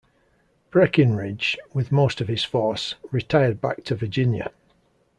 Breckinridge, with most of his force, retired back to Virginia.